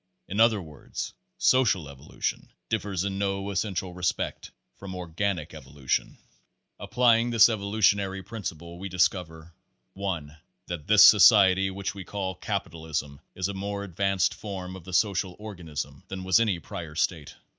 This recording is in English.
In other words, Social Evolution differs in no essential respect from organic evolution. Page Forty five Applying this evolutionary principle, we discover: 1. That this society which we call Capitalism is a more advanced form of the social organism than was any prior state.